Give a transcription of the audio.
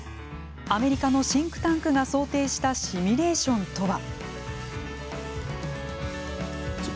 アメリカのシンクタンクが想定したシミュレーションとは。